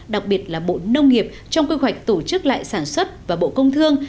đặc biệt là bộ nông nghiệp trong quy hoạch tổ chức lại sản xuất và bộ công thương